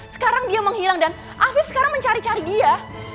sekarang dia menghilang dan afif sekarang mencari cari dia